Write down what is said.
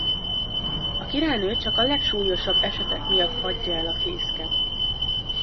A Királynő csak a legsúlyosabb esetek miatt hagyja el a fészket.